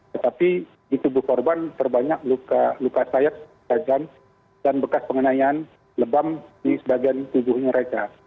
tetapi di tubuh korban terbanyak luka sayap kajan dan bekas pengenaian lebam di sebagian tubuh mereka